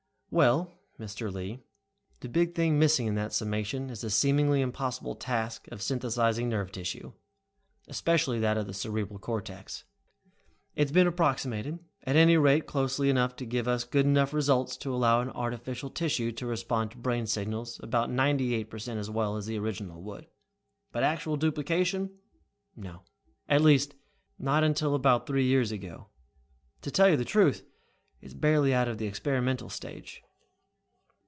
"Well, Mr. Lee, the big thing missing in that summation is the seemingly impossible task of synthesizing nerve tissue, especially that of the cerebral cortex. It's been approximated, at any rate closely enough to give us good enough results to allow an artificial tissue to respond to brain signals about ninety eight per cent as well as the original would. But actual duplication? No. At least not until about three years ago. To tell you the truth, it is barely out of the experimental stage."